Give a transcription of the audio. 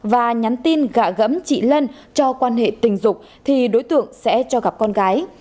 và nhắn tin gạ gẫm chị lân cho quan hệ tình dục thì đối tượng sẽ cho gặp con gái